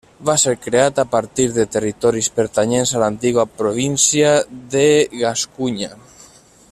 Va ser creat a partir de territoris pertanyents a l'antiga província de Gascunya.